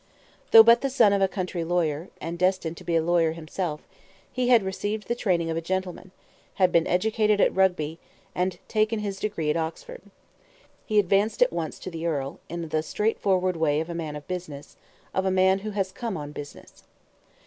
Though but the son of a country lawyer, and destined to be a lawyer himself, he had received the training of a gentleman, had been educated at Rugby, and taken his degree at Oxford. He advanced at once to the earl, in the straightforward way of a man of business of a man who has come on business.